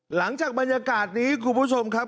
หลังจากบรรยากาศนี้คุณผู้ชมครับ